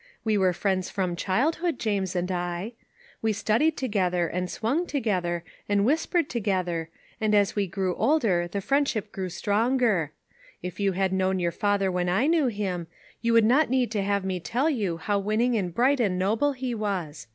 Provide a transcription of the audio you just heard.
We were friends from childhood, James and I. We studied together, and swung together, and whispered together, and as we grew older the friend ship grew stronger. If you had known 3*our father when I knew him, you would not need to have me tell you how winning and bright and noble he was.